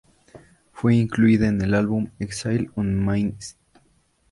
Fue incluida en su álbum "Exile on Main St.